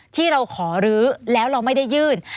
ที่เราขอรื้อแล้วเราไม่ได้ยื่น